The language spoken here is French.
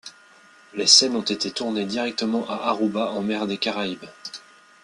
Les scènes ont été tournées directement à Aruba en mer des Caraïbes.